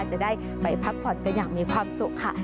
จะได้ไปพักผ่อนกันอย่างมีความสุขค่ะ